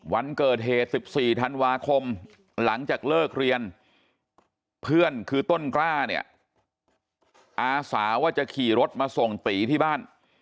วันเกิดเหตุ๑๔ธันวาคมหลังจากเลิกเรียนเพื่อนคือต้นกล้าเนี่ยอาสาว่าจะขี่รถมาส่งตีที่บ้าน